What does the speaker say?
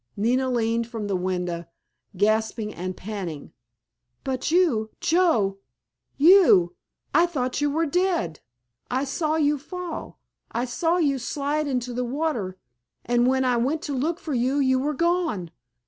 Nina leaned from the window gasping and panting. "But you, Joe—you—I thought you were dead! I saw you fall—I saw you slide into the water—and when I went to look for you you were gone.